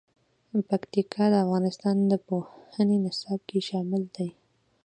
پکتیکا د افغانستان د پوهنې نصاب کې شامل دي.